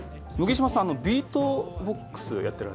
麦島さん、ビートボックスやっ